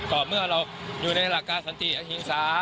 แต่เมื่อเราอยู่ในฐาษะราคาสันติอัฮิงุ้า